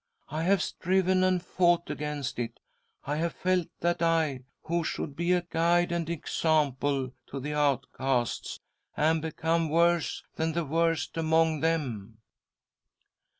I have striven and fought against it ; I have felt that I, who should be a guide and example to the outcasts, am become worse than the worst among them."